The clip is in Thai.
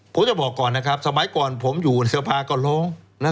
ผมจะบอกก่อนนะครับสมัยก่อนผมอยู่ในสภาก็ร้อง